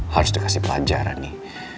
harus dikasih pelajaran nih